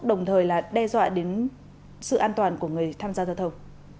đồng thời là đe dọa đến sự an toàn của người tham gia thợ thầu